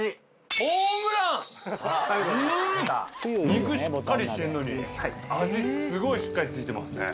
肉しっかりしてんのに味すごいしっかり付いてますね。